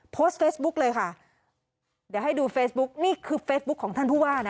โพสต์เฟซบุ๊กเลยค่ะเดี๋ยวให้ดูเฟซบุ๊กนี่คือเฟซบุ๊คของท่านผู้ว่านะ